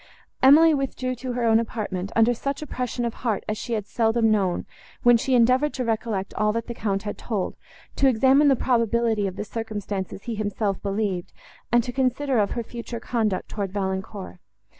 Emily withdrew to her own apartment, under such oppression of heart as she had seldom known, when she endeavoured to recollect all that the Count had told, to examine the probability of the circumstances he himself believed, and to consider of her future conduct towards Valancourt.